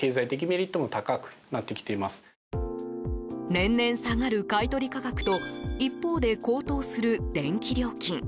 年々下がる買取価格と一方で高騰する電気料金。